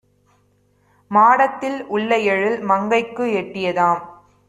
மாடத்தில் உள்ளஎழில் மங்கைக்கும் எட்டியதாம்.